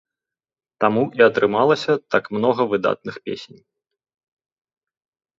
Таму і атрымалася так многа выдатных песень.